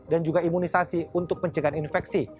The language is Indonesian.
dan juga imunisasi untuk mencegah infeksi